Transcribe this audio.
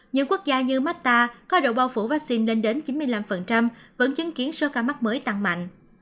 những quốc gia như matta có độ bao phủ vaccine lên đến chín mươi năm vẫn chứng kiến số ca mắc mới tăng mạnh